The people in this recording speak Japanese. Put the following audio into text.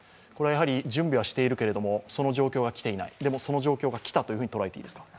やはり準備はしているけれどもその状況が来ていない、でも、その状況が来たというふうに捉えていいですか？